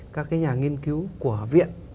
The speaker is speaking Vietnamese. các cái nhà nghiên cứu của viện